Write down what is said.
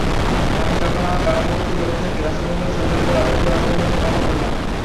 আমি তখন আমার পার্শ্ববর্তী লোকদেরকে রাসূলুল্লাহ সাল্লাল্লাহু আলাইহি ওয়াসাল্লামের কথা বললাম।